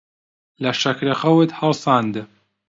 لە شەکرەخەوت هەڵساند.